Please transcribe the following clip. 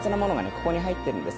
ここに入っているんです。